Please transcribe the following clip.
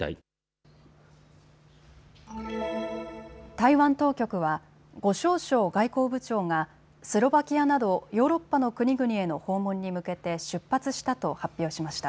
台湾当局は呉しょう燮外交部長がスロバキアなどヨーロッパの国々への訪問に向けて出発したと発表しました。